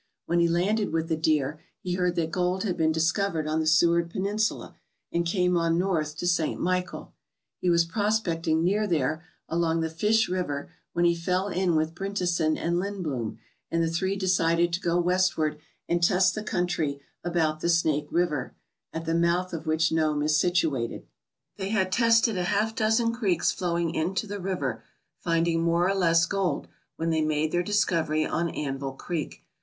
When he landed with the deer he heard that gold had been discovered on the Seward Peninsula and came on north to St. Michael. He was prospecting near there, along the Fish River, when he fell in with Bryntesen and Lindbloom, and the three decided to go westward and test the country about the Snake River, at the mouth of which Nome is situated. They had 192 CREEKS THAT MADE MILLIONAIRES tested a half dozen creeks flowing into the river, finding more or less gold, when they made their discovery on Anvil Creek.